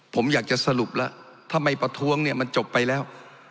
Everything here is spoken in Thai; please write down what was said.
ผมอยากจะสรุปละทำไมปฐวงที่มันจบไปแล้ว